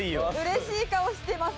嬉しい顔してます。